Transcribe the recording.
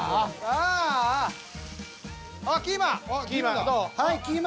あっキーマ。